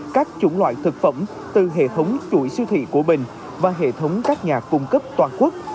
các chủng loại thực phẩm từ hệ thống chuỗi siêu thị của bình và hệ thống các nhà cung cấp toàn quốc